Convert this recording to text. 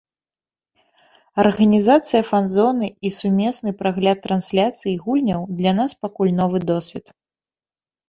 Арганізацыя фан-зоны і сумесны прагляд трансляцый гульняў для нас пакуль новы досвед.